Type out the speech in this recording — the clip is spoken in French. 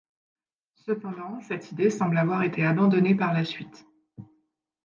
Cependant, cette idée semble avoir été abandonnée par la suite.